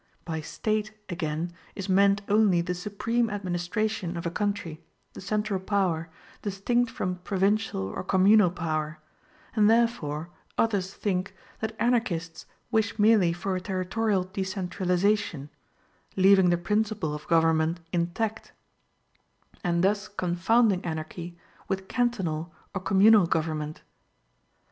By State again is meant only the supreme administration of a country, the central power, distinct from provincial or communal power; and therefore others think that Anarchists wish merely for a territorial decentralization, leaving the principle of government intact, and thus confounding Anarchy with cantonal or communal government.